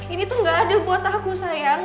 ini tuh gak adil buat aku sayang